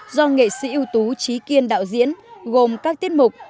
do nghệ sĩ ưu tú trí kiên đạo diễn gồm các tiết mục